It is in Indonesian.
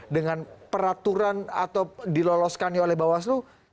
dengan peraturan atau diloloskannya oleh bawaslu